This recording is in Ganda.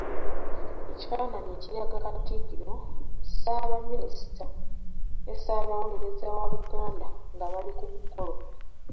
Ekifaananyi ekiraga Katikkiro, Ssaabaminisita, ne Ssaabawolereza wa Buganda nga bali ku mukolo.